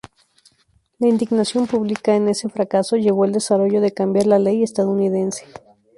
La indignación pública en ese fracaso llevó al desarrollo de cambiar la ley estadounidense.